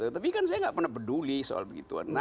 tapi kan saya tidak pernah peduli soal begituan